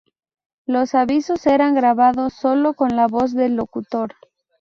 Los avisos eran grabados solo con la voz del locutor.